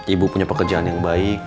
ibu punya pekerjaan yang baik